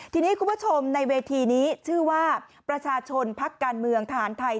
ทีนี้คุณผู้ชมในเวทีนี้ชื่อว่าประชาชนพักการเมืองทหารไทย